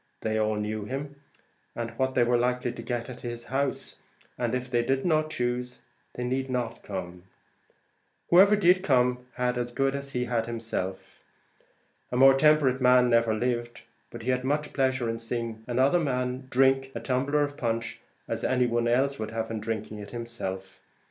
They all knew him, and what they were likely to get at his house, and if they did not choose, they need not come. Whoever did come had as good as he had himself. A more temperate man never lived; but he had as much pleasure in seeing another man drink a tumbler of punch, as any one else would in drinking it himself.